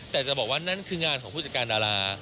แต่จะบอกว่านั่นคืองานของผู้จัดการดารา